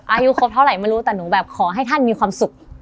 อายุครบเท่าไหร่ไม่รู้แต่หนูแบบขอให้ท่านมีความสุข